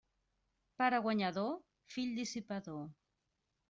Pare guanyador, fill dissipador.